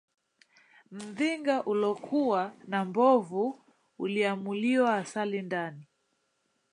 Ndhinga ulokuva na mbuvo uliamuliwa asali ndani.